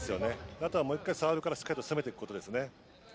あとはもう１回サーブからしっかり攻めていくことですね。